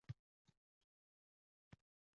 U qo`lini biqiniga tiragancha, bizga tashlandi